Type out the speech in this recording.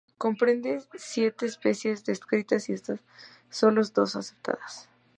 Comprende siete especies descritas y de estas, solo dos aceptadas.